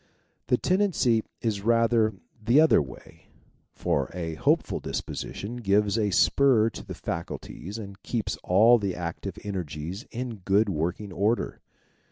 The tendency is rather the GENERAL RESULT 247 other way, for a hopeful disposition gives a spur to ihe faculties and keeps all the active energies in good working order.